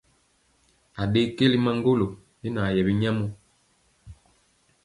Aɗee keli maŋgolo i naa yɛ binyamɔ.